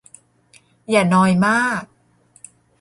อย่านอยมาก